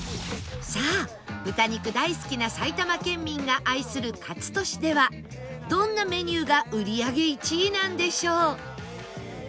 さあ豚肉大好きな埼玉県民が愛するかつ敏ではどんなメニューが売り上げ１位なんでしょう？